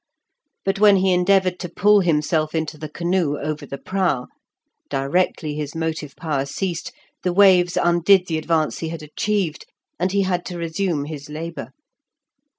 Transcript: But when he endeavoured to pull himself into the canoe over the prow, directly his motive power ceased, the waves undid the advance he had achieved, and he had to resume his labour.